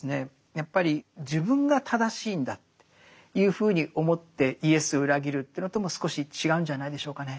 やっぱり自分が正しいんだというふうに思ってイエスを裏切るというのとも少し違うんじゃないでしょうかね。